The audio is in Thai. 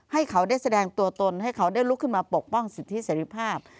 ให้เขาได้แสดงตัวตนให้เขาได้ลุกขึ้นมาปกป้องสิทธิเสรีภาพ